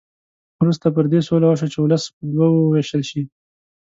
وروسته پر دې سوله وشوه چې ولس په دوه وو وېشل شي.